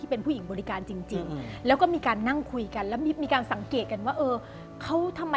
เออทำไมคุณไลค์อย่างนี้ล่ะ